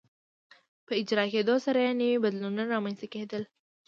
په اجرا کېدو سره یې نوي بدلونونه رامنځته کېدل.